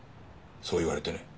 そう言われてね。